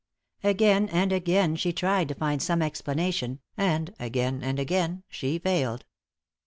Again and again she tried to find some explanation, and again and again she failed.